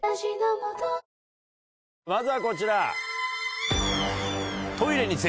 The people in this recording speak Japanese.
まずはこちら。